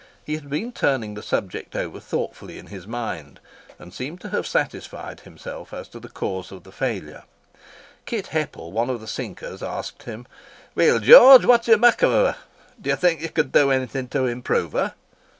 He had been turning the subject over thoughtfully in his mind; and seemed to have satisfied himself as to the cause of the failure. Kit Heppel, one of the sinkers, asked him, "Weel, George, what do you mak' o' her? Do you think you could do anything to improve her?"